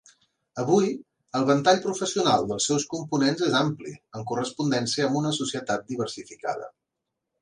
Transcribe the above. Avui, el ventall professional dels seus components és ampli, en correspondència amb una societat diversificada.